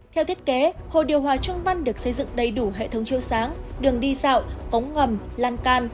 theo thiết kế hồ điều hòa trung văn được xây dựng đầy đủ hệ thống chiêu sáng đường đi dạo cống ngầm lan can